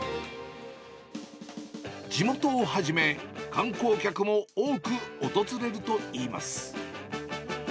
地元をはじめ、観光客も多く訪れるといいます。